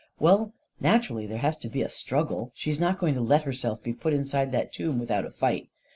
44 Well, naturally, there has to be a struggle. She's not going to let herself be put inside that tomb without a fight.